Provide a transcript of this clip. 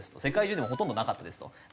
世界中にもほとんどなかったですと。